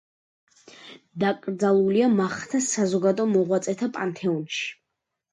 დაკრძალულია მახათას საზოგადო მოღვაწეთა პანთეონში.